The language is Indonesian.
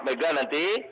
dan juga nanti